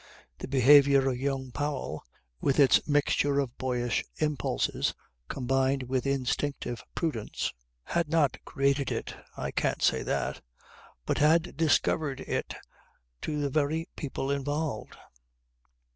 The behaviour of young Powell with its mixture of boyish impulses combined with instinctive prudence, had not created it I can't say that but had discovered it to the very people involved.